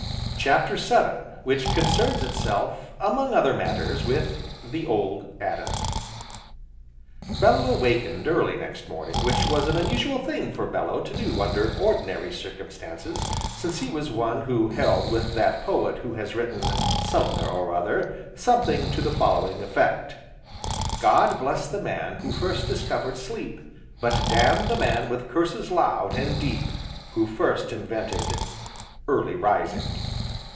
CHAPTER VII Which concerns itself among other matters, with "the Old Adam" Bellew awakened early next morning, which was an unusual thing for Bellew to do under ordinary circumstances since he was one who held with that poet who has written, somewhere or other, something to the following effect: "God bless the man who first discovered sleep. But damn the man with curses loud, and deep, who first invented early rising."